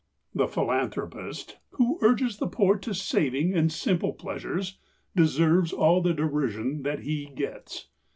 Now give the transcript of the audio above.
The philanthropist who urges the poor to saving and simple pleasures deserves all the derision that he gets.